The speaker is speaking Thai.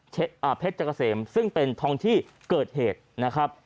เช่นอ่าเภทจั๊กเกษมซึ่งเป็นทองที่เกิดเหตุน่ะครับ